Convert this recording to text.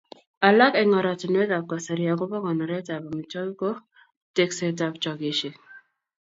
Alak eng oratinwekab kasari agobo konoretab amitwogik ko teksetab chogesiek